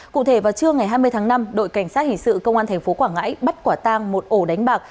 cụ thể vào trưa ngày hai mươi tháng năm đội cảnh sát hình sự công an tp quảng ngãi bắt quả tang một ổ đánh bạc